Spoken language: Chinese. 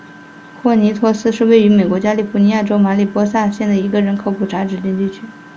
霍尼托斯是位于美国加利福尼亚州马里波萨县的一个人口普查指定地区。